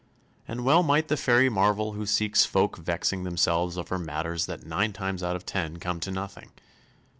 _And well might the fairy marvel who sees folk vexing themselves over matters that nine times out of ten come to nothing.